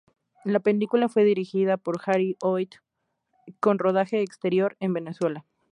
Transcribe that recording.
La película fue dirigida por Harry Hoyt, con rodaje exterior en Venezuela.